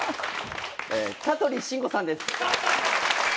香取慎吾さんです。